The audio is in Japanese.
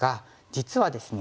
実はですね